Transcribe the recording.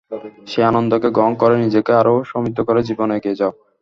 সেই আনন্দকে গ্রহণ করে নিজেকে আরও সমৃদ্ধ করে জীবনে এগিয়ে যাও।